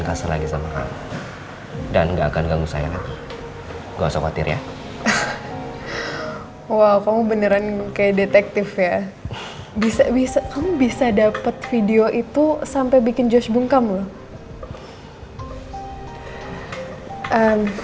bisa bisa kamu bisa dapet video itu sampai bikin josh bungkam loh